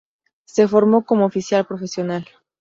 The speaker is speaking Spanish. Se formó como oficial profesional.